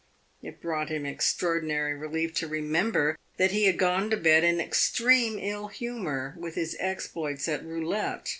It brought him extraordinary relief to remember that he had gone to bed in extreme ill humor with his exploits at roulette.